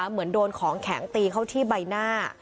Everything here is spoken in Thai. เหมือนโดนของแข็งตีเข้าที่ใบหน้า